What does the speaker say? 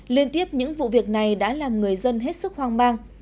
liên tiếp những vụ việc này đã làm người dân hết sức hoang mang